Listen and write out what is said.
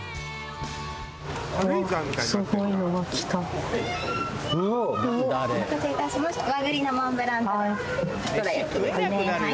うわっ！お待たせいたしました。